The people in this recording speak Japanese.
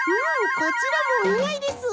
こちらもおにあいです！